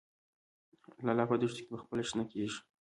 لاله په دښتو کې پخپله شنه کیږي